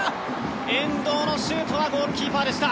遠藤のシュートはゴールキーパーでした。